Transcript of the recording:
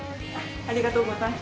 ありがとうございます。